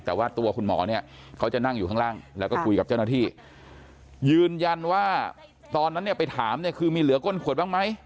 แต่ว่าตัวคุณหมอเนี่ยเขาจะนั่งอยู่ข้างล่างแล้วก็คุยกับเจ้าหน้าที่ยืนยันว่าตอนนั้นเนี่ยไปถามเนี่ยคือมีเหลือก้นขวดบ้างไหม